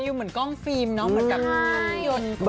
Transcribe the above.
ดูเหมือนกล้องฟิล์มเนาะเหมือนกับ